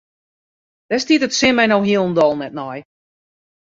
Dêr stiet it sin my no hielendal net nei.